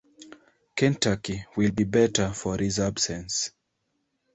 Kentucky will be better for his absence.